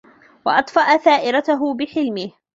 وَأَطْفَأَ ثَائِرَتَهُ بِحِلْمِهِ